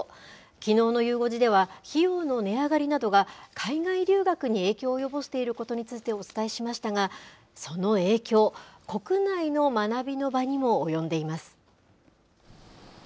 きのうのゆう５時では、費用の値上がりなどが海外留学に影響を及ぼしていることについてお伝えしましたが、その影響、国内の学びの場にも及んでいます。